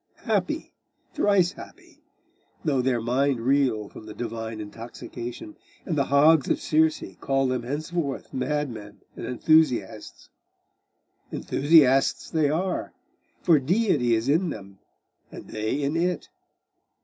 Happy, thrice happy! though their mind reel from the divine intoxication, and the hogs of Circe call them henceforth madmen and enthusiasts. Enthusiasts they are; for Deity is in them, and they in It.